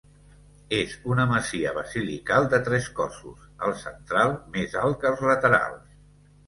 És una masia basilical de tres cossos, el central més alt que els laterals.